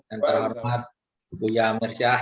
dan terhormat buya mirsyah